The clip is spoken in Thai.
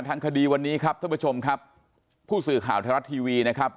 ทางคดีวันนี้ครับท่านผู้ชมครับผู้สื่อข่าวไทยรัฐทีวีนะครับ